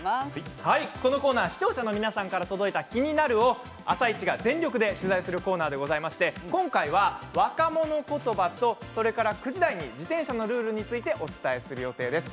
このコーナー視聴者の皆さんから届いた「キニナル」を「あさイチ」が全力で取材するコーナーでございまして今回は若者言葉と９時台に自転車のルールについてお伝えする予定です。